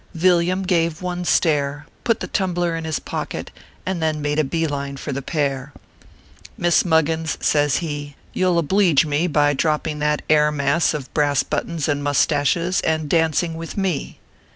Villiam gave one stare, put the tumbler in his pocket, and then made a bee line for the pair. " Miss Muggins," says he, " you ll obleege me by 160 ORPHEUS C. KERR PAPERS. dropping that air mass of brass buttons and mous taches, and dancing with me."